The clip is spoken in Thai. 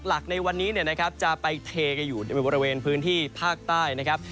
หลักในวันนี้นะครับจะไปเทกันอยู่ในบริเวณพื้นที่ภาคใต้นะครับ